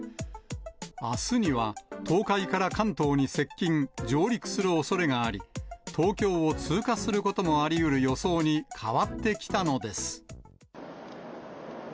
あすには、東海から関東に接近、上陸するおそれがあり、東京を通過することもありうる予想に変わってきたのです。